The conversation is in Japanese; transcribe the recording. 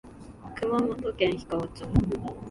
熊本県氷川町